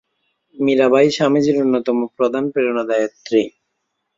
মীরাবাঈ স্বামীজীর অন্যতম প্রধান প্রেরণাদাত্রী।